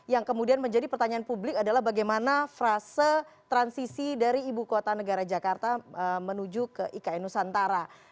yang kemudian menjadi pertanyaan publik adalah bagaimana frase transisi dari ibu kota negara jakarta menuju ke ikn nusantara